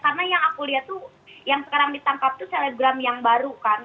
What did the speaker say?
karena yang aku lihat tuh yang sekarang ditangkap tuh selebgram yang baru kan